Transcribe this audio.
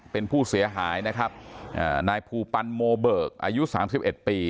เป็นผู้เสียหายนะครับนายภูปันโมเบิกอายุสามสิบเอ็ดปี